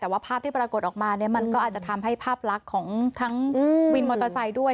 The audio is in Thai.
แต่ว่าภาพที่ปรากฏออกมาเนี่ยมันก็อาจจะทำให้ภาพลักษณ์ของทั้งวินมอเตอร์ไซค์ด้วย